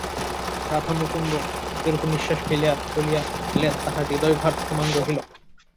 রাধামুকুন্দ দীর্ঘনিশ্বাস ফেলিয়া চলিয়া গেলেন, তাঁহার হৃদয়ভার সমান রহিল।